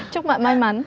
chúc bạn may mắn